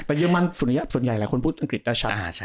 แต่เรมันส่วนใหญ่หลายคนพูดอังกฤษได้ชัด